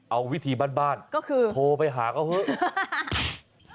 เอาวิธีบ้านบ้านก็คือโทรไปหาเขาเฮิ่ก